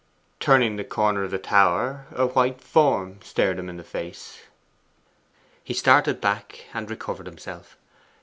Turning the corner of the tower, a white form stared him in the face. He started back, and recovered himself.